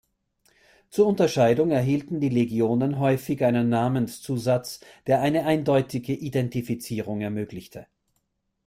Zur Unterscheidung erhielten die Legionen häufig einen Namenszusatz, der eine eindeutige Identifizierung ermöglichte.